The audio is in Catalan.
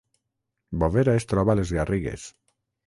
Bovera es troba a les Garrigues